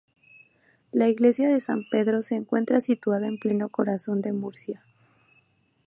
La Iglesia de San Pedro se encuentra situada en pleno corazón de Murcia.